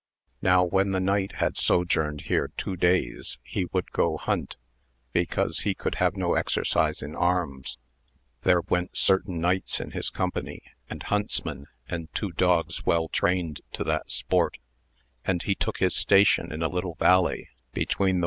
Now when the knight had sojourned here two days e would go hunt, because he could have no exercise I arms ; there went certain knights in his company, ad huntsmen and two dogs well trained to the sport, id he took his station in a little valley between the VOL.